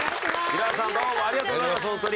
皆さん、どうもありがとうございます、本当に。